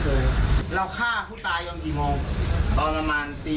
เพราะว่าพวกผมเสร็จปี๓แล้วก็ออกเลยครับ